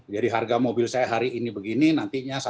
jadi harga mobil saya hari ini begini nantinya